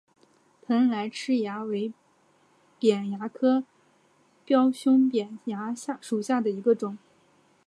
蓬莱虱蚜为扁蚜科雕胸扁蚜属下的一个种。